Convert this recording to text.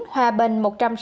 hòa bình một trăm sáu mươi